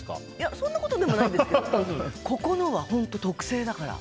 そんなこともないんですけどここのは特製だから。